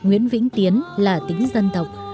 nguyễn vĩnh tiến là tính dân tộc